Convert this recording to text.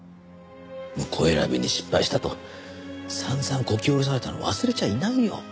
婿選びに失敗したと散々こき下ろされたの忘れちゃいないよ。